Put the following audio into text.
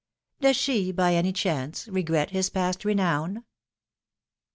Does she by any chance regret his past renown